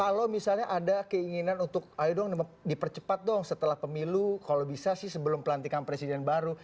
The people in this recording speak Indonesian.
kalau misalnya ada keinginan untuk ayo dong dipercepat dong setelah pemilu kalau bisa sih sebelum pelantikan presiden baru